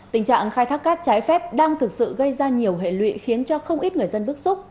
tình trạng khai thác cát trái phép đang thực sự gây ra nhiều hệ lụy khiến cho không ít người dân bức xúc